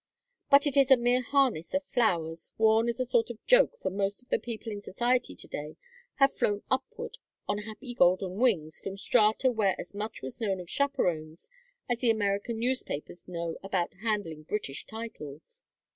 But it is a mere harness of flowers, worn as a sort of a joke for most of the people in society to day have flown upward on happy golden wings from strata where as much was known of chaperons as the American newspapers know about handling British titles.